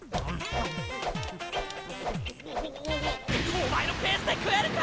おまえのペースで食えるか！